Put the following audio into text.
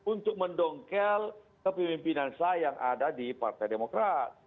untuk mendongkel kepemimpinan saya yang ada di partai demokrat